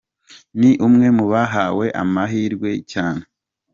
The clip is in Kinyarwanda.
Ni umwe mu bahabwa amahirwe cyane.